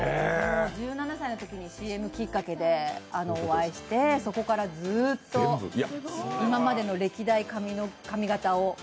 １７歳のときにＣＭきっかけでお会いして、そこからずーっと今までの歴代髪形を。